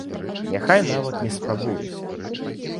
Няхай нават не спрабуе?